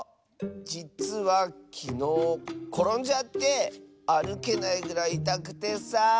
じつはきのうころんじゃってあるけないぐらいいたくてさ。